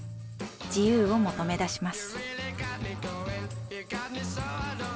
自由を求めだします。